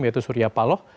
yaitu surya paloh